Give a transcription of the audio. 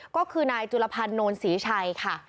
ก็คือนายจุลพันธ์โนนศรีชัยค่ะ